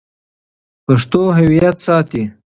پښتو هویت ساتي.